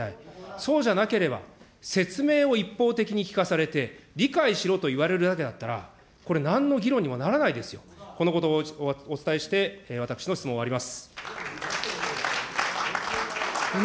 そうじゃなければ、説明を一方的に聞かされて、理解しろと言われるだけだったら、これなんの議論にもならないですよ、このことをお伝えして、私の質問を終わります。